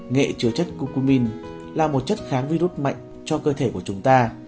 nghệ chứa chất cocomin là một chất kháng virus mạnh cho cơ thể của chúng ta